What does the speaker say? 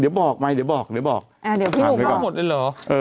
เดี๋ยวบอกใหม่เดี๋ยวบอกเดี๋ยวบอกอ่าเดี๋ยวพี่หลวงเข้าหมดได้เหรอเออ